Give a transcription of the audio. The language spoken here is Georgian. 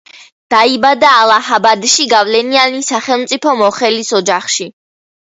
დაიბადა ალაჰაბადში, გავლენიანი სახელმწიფო მოხელის ოჯახში.